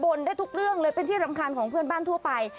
ได้ทุกเรื่องเลยเป็นที่รำคาญของเพื่อนบ้านทั่วไป